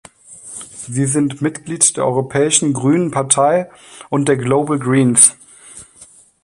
Sie sind Mitglied der Europäischen Grünen Partei und der Global Greens.